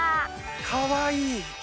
かわいい。